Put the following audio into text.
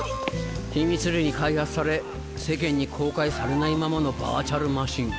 秘密裏に開発され世間に公開されないままのバーチャルマシン。